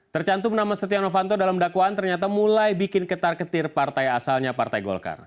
tercantum nama setia novanto dalam dakwaan ternyata mulai bikin ketar ketir partai asalnya partai golkar